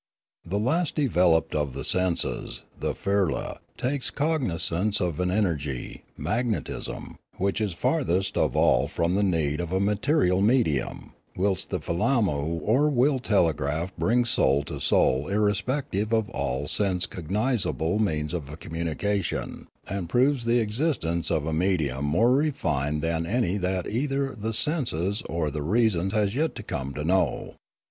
The last developed of the senses, the firla, takes cog nisance of an energy, magnetism, which is farthest of 360 Limanora all from the need of a material medium; whilst the fil ammu or will telegraph brings soul to soul irrespective of all sense cognisable means of communication, and proves the existence of a medium more refined than any that either the senses qr the reason has yet come to know.